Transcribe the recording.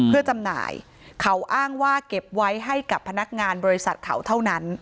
เพื่อจำหน่ายเขาอ้างว่าเก็บไว้ให้กับพนักงานบริษัทเขาเท่านั้น